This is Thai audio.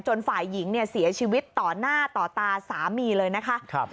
ฝ่ายหญิงเนี่ยเสียชีวิตต่อหน้าต่อตาสามีเลยนะคะ